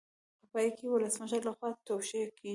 په پای کې د ولسمشر لخوا توشیح کیږي.